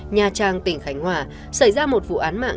nha trang tỉnh khánh hòa xảy ra một vụ án mạng